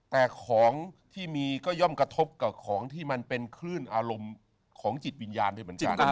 แต่ของที่มีก็ย่อมกระทบกับของที่มันเป็นคลื่นอารมณ์ของจิตวิญญาณด้วยเหมือนกัน